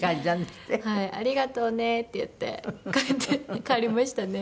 「ありがとうね」って言って帰って帰りましたね。